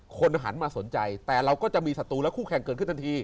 คนหันมาสนใจแต่เราก็จะมีศัตรูและคู่แข่งเกิดขึ้นทันที